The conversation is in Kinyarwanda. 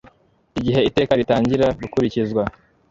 igihe iteka ritangira gukurikizwa